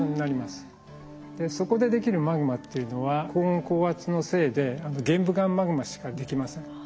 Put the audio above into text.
そこでできるマグマっていうのは高温高圧のせいで玄武岩マグマしかできません。